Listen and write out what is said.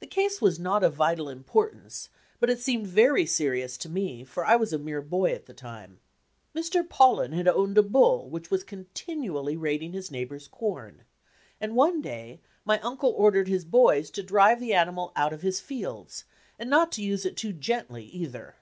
The case was not of vital importance, but it seemed very serious to me, for I was a mere boy at the time. Mr. Paullin had owned a bull which was continually raiding his neighbor's corn, and one day my uncle ordered his boys to drive the animal out of his fields, and not to use it too gently, either.